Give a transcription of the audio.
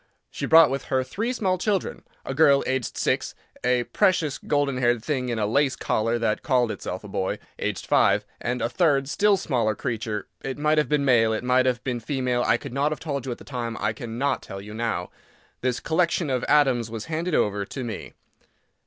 She brought with her three small children: a girl, aged six; a precious, golden haired thing in a lace collar that called itself a boy, aged five; and a third still smaller creature, it might have been male, it might have been female; I could not have told you at the time, I cannot tell you now. This collection of atoms was handed over to me.